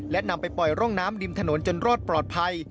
และนำไปปล่อยร่องน้ำริมถนนจนรอดปลอดภัย